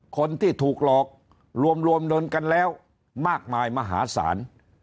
คนที่ถูกหลอกรวมเงินกันแล้วมากมายมหาศาล